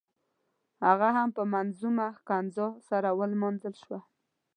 هغه هم په منظمونه ښکنځا سره ونمانځل شو.